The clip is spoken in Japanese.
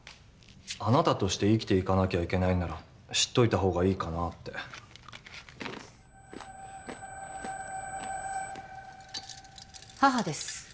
あなたとして生きていかなきゃいけないんなら知っといた方がいいかなって母です